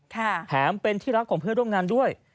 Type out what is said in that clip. แถมเป็นที่รักของเพื่อนร่วมงานด้วย